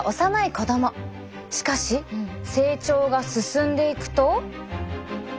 しかし成長が進んでいくと。